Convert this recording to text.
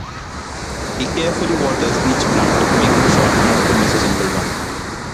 He carefully waters each plant, making sure not to miss a single one.